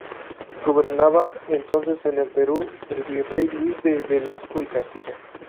Gobernaba entonces en el Perú el virrey Luis de Velasco y Castilla.